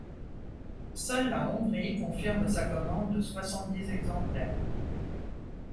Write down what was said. Seule la Hongrie confirme sa commande de soixante-dix exemplaires.